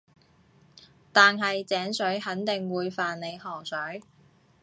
但係井水肯定會犯你河水